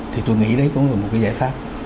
thì tôi nghĩ đấy cũng là một cái giải pháp